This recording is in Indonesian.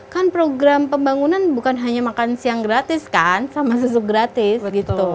kan program pembangunan bukan hanya makan siang gratis kan sama susu gratis gitu